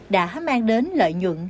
đã mang đến lợi nhuận